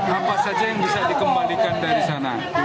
apa saja yang bisa dikembalikan dari sana